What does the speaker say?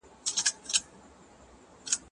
د مېوو خوړل د بدن انرژي زیاتوي.